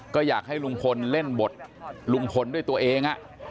ก็อยากให้ลุงพลเล่นบทลุงพลด้วยตัวเอง